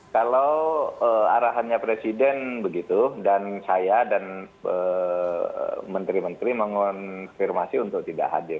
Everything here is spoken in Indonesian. kalau arahannya presiden begitu dan saya dan menteri menteri mengonfirmasi untuk tidak hadir